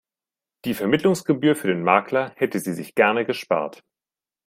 Die Vermittlungsgebühr für den Makler hätte sie sich gerne gespart.